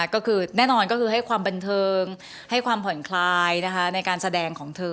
ก็คือแน่นอนก็คือให้ความบันเทิงให้ความผ่อนคลายในการแสดงของเธอ